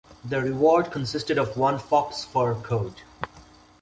The reward consisted of one fox fur coat.